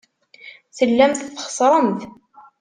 Tellamt txeṣṣremt.